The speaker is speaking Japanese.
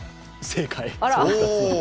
正解。